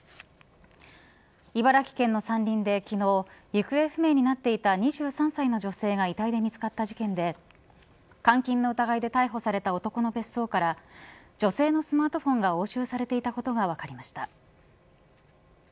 茨城県の山林で昨日行方不明になっていた２３歳の女性が遺体で見つかった事件で監禁の疑いで逮捕された男の別荘から女性のスマートフォンが押収されていたことが分かりました。